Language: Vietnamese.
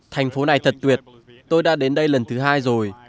thành phố này thật tuyệt tôi đã đến đây lần thứ hai rồi